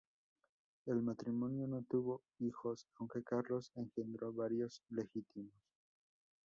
El matrimonio no tuvo hijos, aunque Carlos engendró varios ilegítimos.